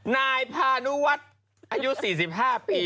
นายพานุวัฒน์อายุ๔๕ปี